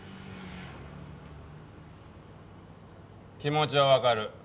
気持ちはわかる。